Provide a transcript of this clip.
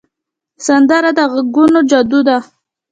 سندره د غږونو جادو ده